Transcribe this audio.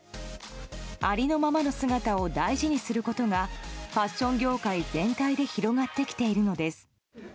ありのままの姿を大事にすることがファッション業界全体で広がってきているのです。